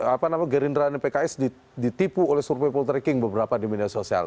apa nama gerindra dan pks ditipu oleh survei poltreking beberapa di media sosial